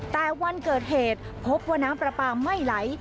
แต่วันเกิดเหตุพบว่าน้ำปลาปลาไม่ไหล